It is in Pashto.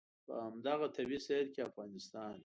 په همدغه طبعي سیر کې افغانستان.